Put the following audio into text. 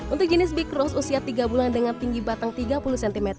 untuk jenis bikross usia tiga bulan dengan tinggi batang tiga puluh cm